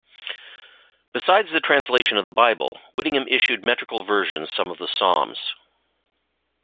Besides the translation of the Bible, Whittingham issued metrical versions some of Psalms.